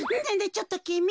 ちょっときみ。